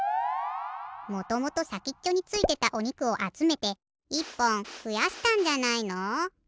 もともとさきっちょについてたおにくをあつめて１ぽんふやしたんじゃないの？